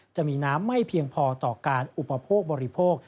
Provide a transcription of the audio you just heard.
จะมีน้ำไม่เพียงพอต่อการอุปโภคบริโภค